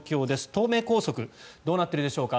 東名高速どうなっているでしょうか。